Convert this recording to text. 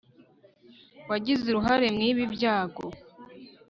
wagize uruhare mw'ibi byago